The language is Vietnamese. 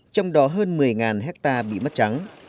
trong đó hơn một mươi hecta bị mất trắng